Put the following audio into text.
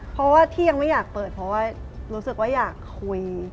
เพราะว่าที่ยังไม่อยากเปิดเพราะว่ารู้สึกว่าอยากคุย